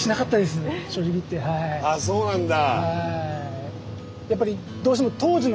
あっそうなんだ。